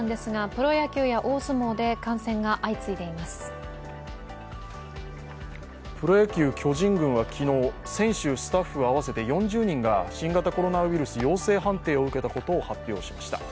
プロ野球・巨人軍は昨日、選手、スタッフ合わせて４０人が新型コロナウイルス陽性判定を受けたことを発表しました。